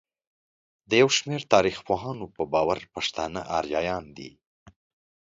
د يوشمېر تاريخپوهانو په باور پښتانه اريايان دي.